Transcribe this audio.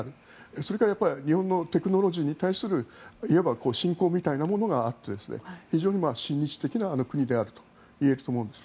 それから日本のテクノロジーに対するいわば信仰みたいなものがあって非常に親日的な国であると言えると思います。